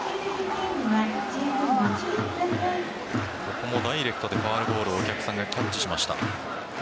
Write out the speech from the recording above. ここもダイレクトでファウルボールをお客さんがキャッチしました。